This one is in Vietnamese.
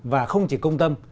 và không chỉ công tâm